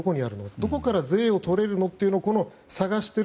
どこから税をとれるのというところを探している。